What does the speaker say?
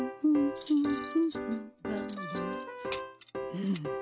うん。